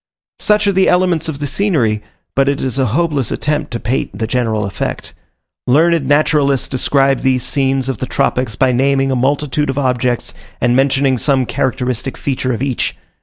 Such are the elements of the scenery, but it is a hopeless attempt to paint the general effect. Learned naturalists describe these scenes of the tropics by naming a multitude of objects, and mentioning some characteristic feature of each.